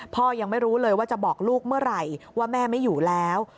ยังไม่รู้เลยว่าจะบอกลูกเมื่อไหร่ว่าแม่ไม่อยู่แล้ว